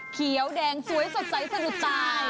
เขียวแดงสวยสดใสสะดุดตาย